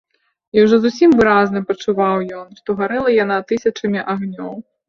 І ўжо зусім выразна пачуваў ён, што гарэла яна тысячамі агнёў.